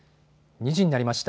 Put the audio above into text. ２時になりました。